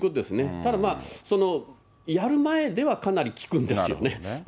ただまあ、そのやる前ではかなり効くんですよね。